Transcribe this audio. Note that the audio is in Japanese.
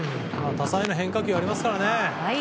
多彩な変化球ありますからね。